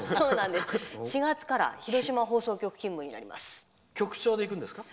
４月から広島放送局勤務になります。